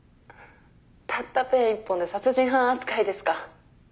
たったペン１本で殺人犯扱いですか」